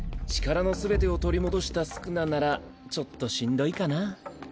力の全てを取り戻した宿儺ならちょっとしんどいかな。